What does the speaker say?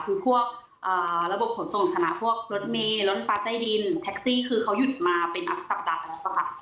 คือพวกเอ่อระบบผลส่งสถานะพวกรถเมฆรถปลาใต้ดินคือเขาหยุดมาเป็นอัปดาห์แล้วค่ะ